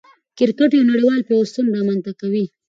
کرکټ یو نړۍوال پیوستون رامنځ ته کوي.